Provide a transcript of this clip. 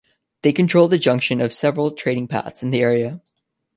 They controlled the junction of several trading paths in the area.